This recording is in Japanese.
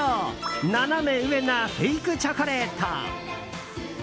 ナナメ上なフェイクチョコレート。